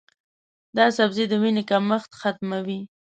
دا سبزی د وینې کمښت ختموي.